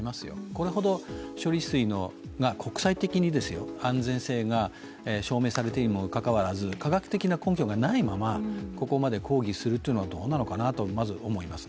これほど処理水が国際的に安全性が証明されているにもかかわらず、科学的な根拠がないまま、ここまで抗議するのはどうなのかなとまず思います。